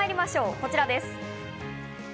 こちらです。